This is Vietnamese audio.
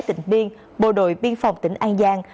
tỉnh biên bộ đội biên phòng tỉnh an giang